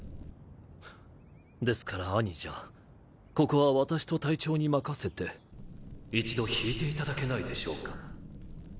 ですから兄者ここは私と隊長に任せて一度引いていただけないでしょうか。